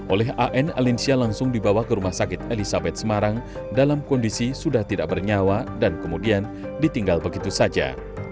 oleh an alinsya langsung dibawa ke rumah sakit elizabeth semarang dalam kondisi sudah tidak bernyawa dan kemudian ditinggal begitu saja